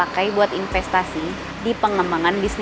kita semua menangis